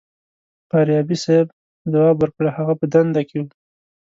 فاریابي صیب ځواب ورکړ هغه په دنده کې و.